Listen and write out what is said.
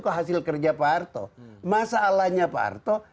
kehasil kerja pak harto